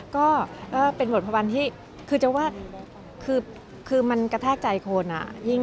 ก็เป็นบทพระวันที่คือจะว่าคือมันกระแทกใจคน